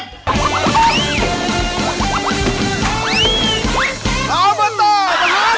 พร้อมมาต่อตะโหนด